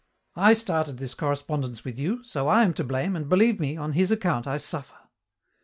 I started this correspondence with you, so I am to blame, and believe me, on his account I suffer.